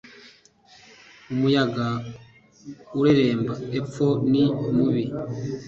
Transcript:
Umuyaga ureremba epfo ni mubi